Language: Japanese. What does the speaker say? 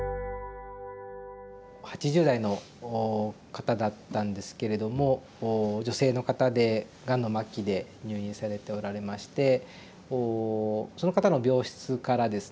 ８０代の方だったんですけれども女性の方でがんの末期で入院されておられましてこうその方の病室からですね